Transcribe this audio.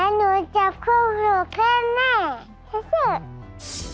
แล้วหนูเจ็บความหิวขึ้นแน่